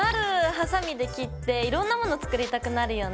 ハサミで切っていろんなもの作りたくなるよね。